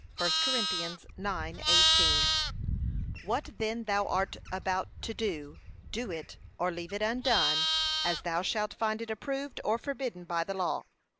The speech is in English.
(1 Cor. 9:18) What then thou art about to do, do it or leave it undone, as thou shalt find it approved or forbidden by the law.